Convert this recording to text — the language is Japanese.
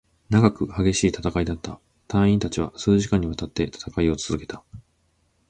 長く、激しい戦いだった。隊員達は数時間に渡って戦いを続けた。